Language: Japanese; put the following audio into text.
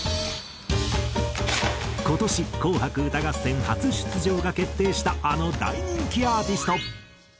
今年『紅白歌合戦』初出場が決定したあの大人気アーティスト。